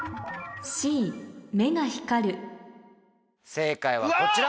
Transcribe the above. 正解はこちら。